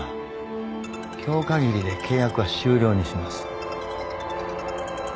今日かぎりで契約は終了にします。